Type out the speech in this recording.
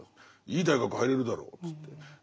「いい大学入れるだろ」っつって。